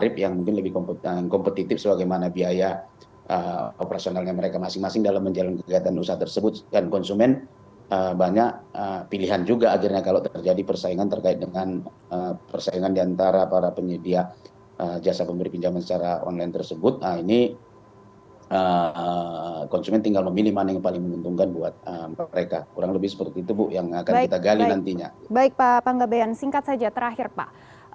baik pak panggabean singkat saja terakhir pak